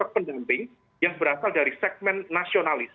pendamping yang berasal dari segmen nasionalis